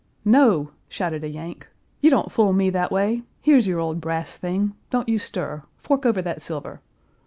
"No!" shouted a Yank, "you don't fool me that way; here's your old brass thing; don't you stir; fork over that silver."